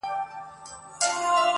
کله غل کله مُلا سي کله شیخ کله بلا سي!.